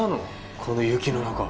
この雪の中